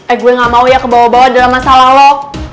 eh gue gak mau ya kebawa bawa dalam masa lalu